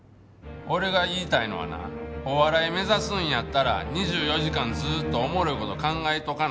俺が言いたいのはなお笑い目指すんやったら２４時間ずっとおもろい事考えとかな